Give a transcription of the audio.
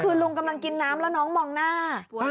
ถึงลุงกำลังกินน้ำแล้วก็น้องก็บอกหน้า